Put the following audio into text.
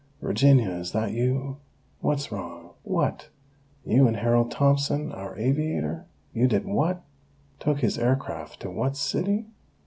_ Virginia, is that you? What's wrong? What! You and Harold Thompson? Our aviator? You did what? Took his aircraft to what city?